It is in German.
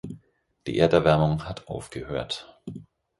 Die Erderwärmung hat aufgehört.